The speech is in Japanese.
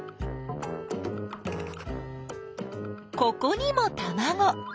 ここにもたまご！